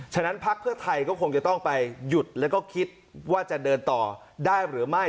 นั้นพักเพื่อไทยก็คงจะต้องไปหยุดแล้วก็คิดว่าจะเดินต่อได้หรือไม่